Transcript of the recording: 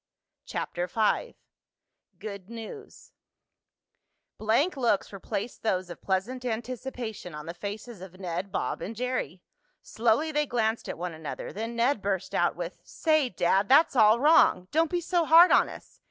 CHAPTER V GOOD NEWS Blank looks replaced those of pleasant anticipation on the faces of Ned, Bob and Jerry. Slowly they glanced at one another, then Ned burst out with: "Say, Dad, that's all wrong! Don't be so hard on us.